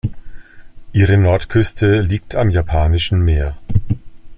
Ihre Nordküste liegt am Japanischen Meer.